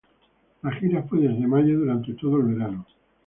La gira fue desde mayo durante todo el verano.